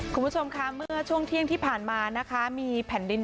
คุณผู้ชมค่ะเมื่อช่วงเที่ยงที่ผ่านมานะคะมีแผ่นดิน